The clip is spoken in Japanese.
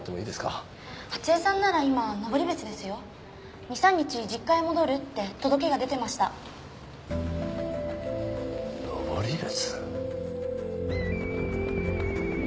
初枝さんなら今登別ですよ２３日実家へ戻るって届けが出てました登別？